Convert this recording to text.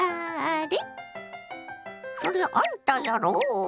そりゃあんたやろ。